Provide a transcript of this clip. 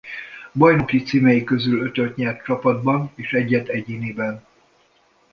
Bajnoki címei közül ötöt nyert csapatban és egyet egyéniben.